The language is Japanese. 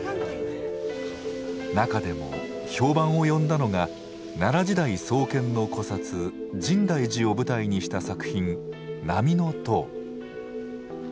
中でも評判を呼んだのが奈良時代創建の古刹深大寺を舞台にした作品「波の塔」。